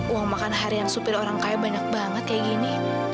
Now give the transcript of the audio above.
uang makan hari yang supir orang kaya banyak banget kayak gini